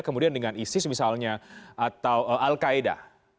kemudian dengan isis misalnya atau al qaeda